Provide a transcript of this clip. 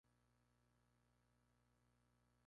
Juega de mediocampista y actualmente se encuentra sin club.